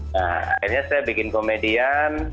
nah akhirnya saya bikin komedian